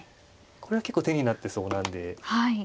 これは結構手になってそうなんで。